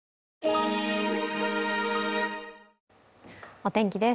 お天気です。